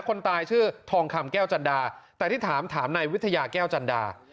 คนตายชื่อทองคำแก้วจันดาแต่ที่ถามถามนายวิทยาแก้วจันดา